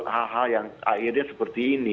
hal hal yang akhirnya seperti ini